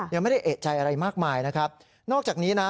ไม่ได้เอกใจอะไรมากมายนะครับนอกจากนี้นะ